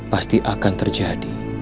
pasti akan terjadi